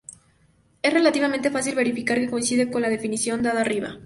Es relativamente fácil verificar que coincide con la definición dada arriba.